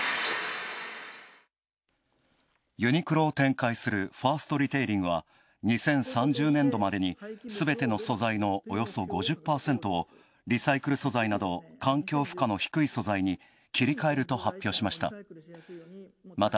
ユニクロを展開するファーストリテイリングは２０３０年度までにすべての素材のおよそ５０％をリサイクル素材など環境負荷の低い素材に切り替えると発表しました。